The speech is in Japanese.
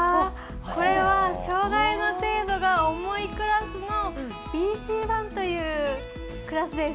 これは、障がいの程度が重いクラスのＢＣ１というクラスです。